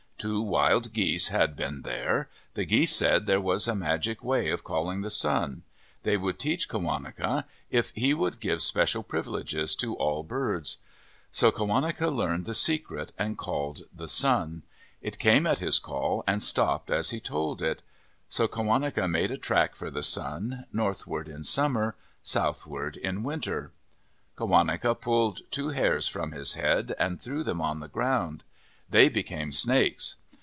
Two wild geese had been there. The geese said there was a magic way of calling the sun. They would teach Qawaneca if he would give special privileges to all birds. So Qawaneca learned the secret and called the sun. It came at his call and stopped as he told it. So 31 MYTHS AND LEGENDS Qawaneca made a track for the sun, northward in summer, southward in winter. Qawaneca pulled two hairs from his head and threw them on the ground. They became snakes.